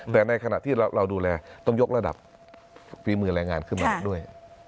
แต่ในขณะที่เราดูแลต้องยกระดับฝีมือแรงงานขึ้นมาด้วย